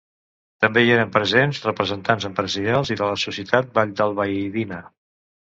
També hi eren presents representats empresarials i de la societat valldalbaidina.